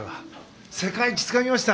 世界一をつかみました！